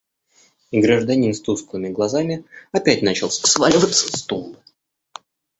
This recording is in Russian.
И гражданин с тусклыми глазами опять начал сваливаться с тумбы.